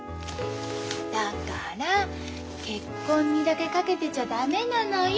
だから結婚にだけかけてちゃ駄目なのよ。